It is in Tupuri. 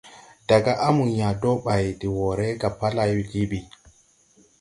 Daga à mo yãã dɔɔ bay de woʼré ga pa lay je ɓi.